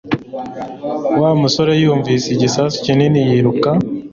Wa musore yumvise igisasu kinini yiruka